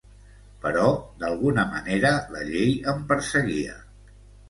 Però d'alguna manera la llei em perseguia.